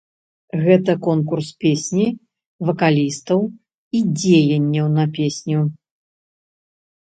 Гэта конкурс песні, вакалістаў і дзеянняў на песню.